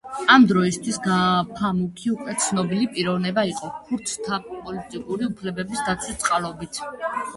ამ დროისთვის ფამუქი უკვე ცნობილი პიროვნება იყო, ქურთთა პოლიტიკური უფლებების დაცვის წყალობით.